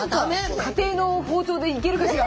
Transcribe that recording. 家庭の包丁でいけるかしら？